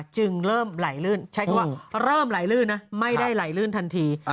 จึงเริ่มไหลลื่นใช้คำว่าเริ่มไหลลื่นนะไม่ได้ไหลลื่นทันที